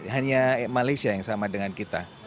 hanya malaysia yang sama dengan kita